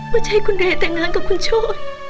ว่าจะให้คุณเรแต่งงานกับคุณโชว์